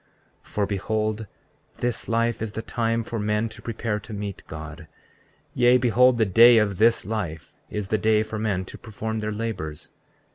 34:32 For behold, this life is the time for men to prepare to meet God; yea, behold the day of this life is the day for men to perform their labors.